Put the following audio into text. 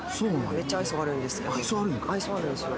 めっちゃ愛想悪いんですけど愛想悪いんすよ。